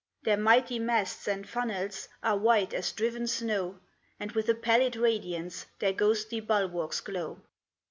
Their mighty masts and funnels Are white as driven snow, And with a pallid radiance Their ghostly bulwarks glow.